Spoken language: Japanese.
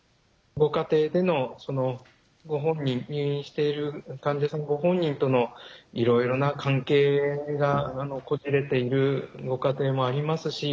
ご家庭での入院している患者さんご本人とのいろいろな関係がこじれているご家庭もありますし